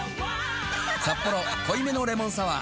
「サッポロ濃いめのレモンサワー」